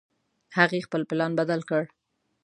هغې خپل پلان بدل کړ